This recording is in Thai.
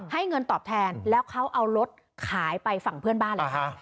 ให้เงินตอบแทนแล้วเขาเอารถขายไปฝั่งเพื่อนบ้านเลยค่ะ